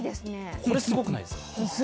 これすごくないですか？